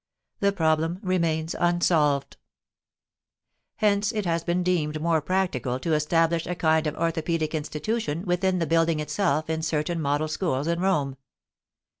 The problem remains unsolved. Hence it has been deemed more practical to establish a kind of orthopaedic institution within the building itself in certain model schools in Rome.